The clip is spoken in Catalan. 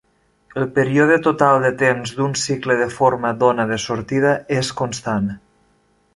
El període total de temps d'un cicle de forma d'ona de sortida és constant.